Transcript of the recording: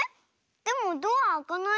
でもドアあかないよ。